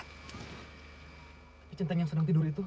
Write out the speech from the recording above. ini centeng yang sedang tidur itu